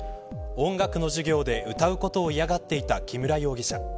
音楽の授業で歌うことを嫌がっていた木村容疑者。